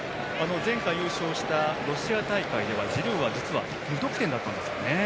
前回優勝したロシア大会はジルーは、実は無得点だったんですね。